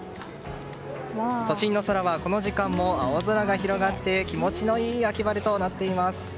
都心の空はこの時間も青空が広がって気持ちのいい秋晴れとなっています。